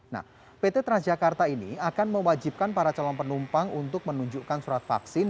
nah pt transjakarta ini akan mewajibkan para calon penumpang untuk menunjukkan surat vaksin